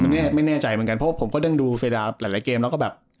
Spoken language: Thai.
ไม่แน่ไม่แน่ใจเหมือนกันเพราะว่าผมก็ดึงดูเฟรดาหลายหลายเกมแล้วก็แบบ